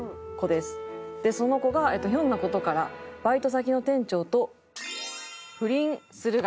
その子がひょんな事からバイト先の店長と不倫するが。